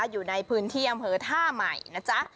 อยู่ในพื้นที่อำเภอท่าใหม่นะจ๊ะ